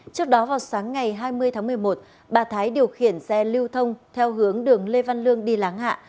trước đó vào sáng ngày hai mươi tháng một mươi một bà thái điều khiển xe lưu thông theo hướng đường lê văn lương đi láng hạ